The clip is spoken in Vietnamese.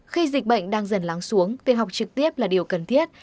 khi dịch bệnh đang dần lắng xuống tiền học trực tiếp là điều cần thiết